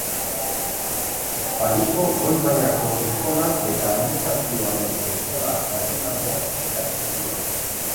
Parisko Goi Mailako Eskolan eta Administrazioaren Eskola Nazionalean ikasi zuen.